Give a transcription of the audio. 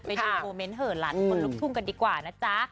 ไม่ใช่คอมเม้นท์เหอะหลังลุกทุ้งกันดีกว่านะจ๊ะ